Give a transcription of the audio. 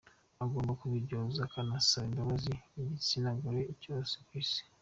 agomba kubiryozwa akanasaba imbabazi igitsina gore cyose ku isi.